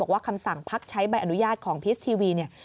คำสั่งพักใช้ใบอนุญาตของพีชทีวีเนี่ย